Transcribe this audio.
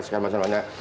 seperti yang di film ini